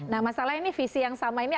nah masalahnya ini visi yang sama ini